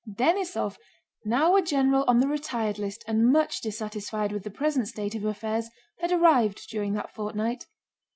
Denísov, now a general on the retired list and much dissatisfied with the present state of affairs, had arrived during that fortnight.